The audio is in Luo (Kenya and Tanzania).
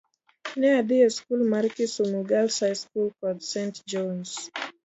Ne adhi e skul mar Kisumu Girls High School kod St. John's.